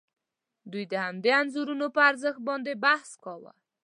دوی د همدې انځورونو پر ارزښت باندې بحث کاوه.